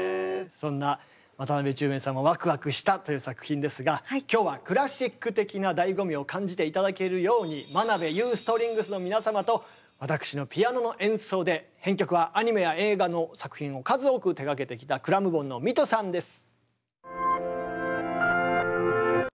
そんな渡辺宙明さんもわくわくしたという作品ですが今日はクラシック的な醍醐味を感じて頂けるように真部裕ストリングスの皆様と私のピアノの演奏で編曲はアニメや映画の作品を数多く手がけてきたｃｌａｍｍｂｏｎのミトさんです。